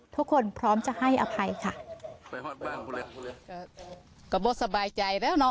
ทุกคนพร้อมจะให้อภัยค่ะ